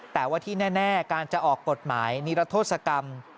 แต่ว่าที่แน่การจะออกกฎหมายนิรโทษกรรม